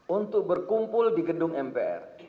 untuk berkumpul di gedung mpr